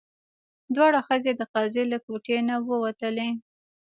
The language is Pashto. دواړه ښځې د قاضي له کوټې نه ووتلې.